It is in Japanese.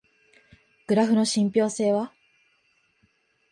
グラフの信憑性は？